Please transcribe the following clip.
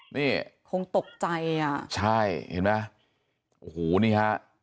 นี่คงตกใจอ่ะใช่เห็นไหมโอ้โหนี่ฮะ